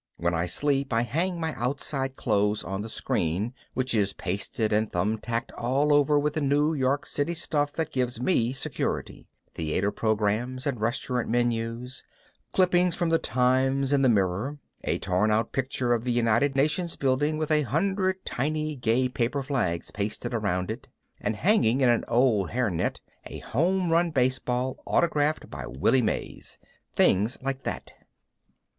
When I sleep I hang my outside clothes on the screen, which is pasted and thumbtacked all over with the New York City stuff that gives me security: theater programs and restaurant menus, clippings from the Times and the Mirror, a torn out picture of the United Nations building with a hundred tiny gay paper flags pasted around it, and hanging in an old hairnet a home run baseball autographed by Willie Mays. Things like that.